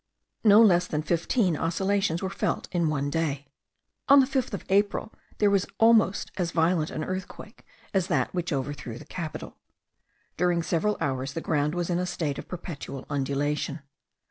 No less than fifteen oscillations were felt in one day. On the 5th of April there was almost as violent an earthquake as that which overthrew the capital. During several hours the ground was in a state of perpetual undulation.